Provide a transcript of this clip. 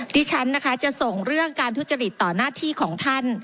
ดิฉันนะคะจะส่งเรื่องการทุจริตต่อหน้าที่ของท่าน